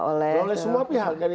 oleh semua pihak